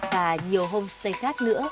và nhiều homestay khác nữa